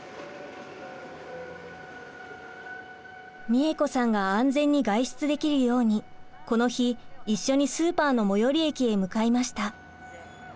みえ子さんが安全に外出できるようにこの日一緒にスーパーの最寄り駅へ向かいました。